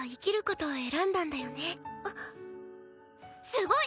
すごい！